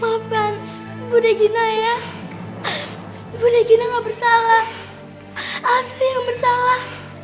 bapak bapak ibu ibu maafkan budegina ya budegina gak bersalah asri yang bersalah